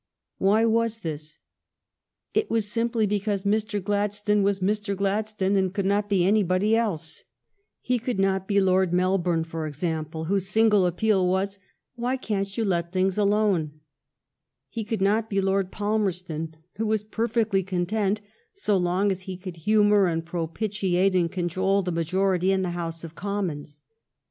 Why was this ? It was simply because Mr. Gladstone was Mr. Gladstone and could not be anybody else. He could not be Lord Mel 335 336 THE STORY OF GLADSTONE'S LIFE bourne, for example, whose single appeal was, "Why can't you let things alone?" He could not be Lord Palmerston, who was perfectly con tent so long as he could humor and propitiate and cajole the majority in the House of Com mons.